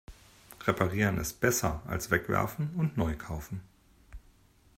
Reparieren ist besser als wegwerfen und neu kaufen.